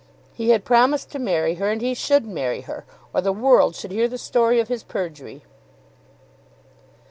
He had promised to marry her; and he should marry her, or the world should hear the story of his perjury!